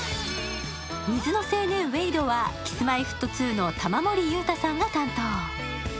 水の青年ウェイドはＫｉｓ−Ｍｙ−Ｆｔ２の玉森裕太さんが担当。